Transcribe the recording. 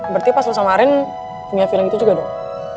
berarti pas lo sama arin punya feeling itu juga dong